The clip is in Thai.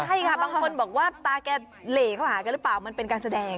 ใช่ค่ะบางคนบอกว่าตาแกเหล่เข้าหากันหรือเปล่ามันเป็นการแสดง